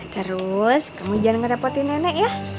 terus kamu jangan merepotin nenek ya